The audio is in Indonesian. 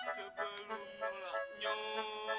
sebelum nolak nyong